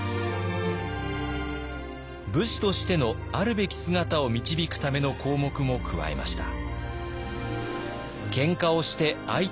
武士としてのあるべき姿を導くための項目も加えました。